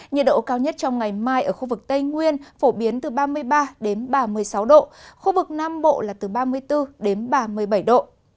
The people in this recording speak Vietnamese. nhiệt độ cao nhất trong ngày mai ở khu vực tây nguyên phổ biến từ ba mươi ba đến ba mươi sáu độ khu vực nam bộ là từ ba mươi bốn đến ba mươi bảy độ